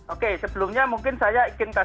oke sebelumnya mungkin saya ingin kasih